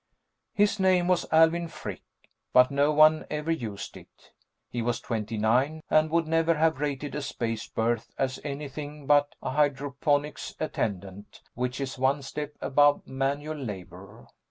His name was Alvin Frick, but no one ever used it. He was twenty nine, and would never have rated a space berth as anything but a hydroponics attendant, which is one step above manual labor.